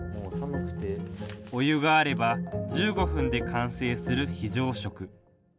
お湯があれば１５分で完成する非常食。